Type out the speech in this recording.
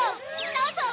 どうぞ！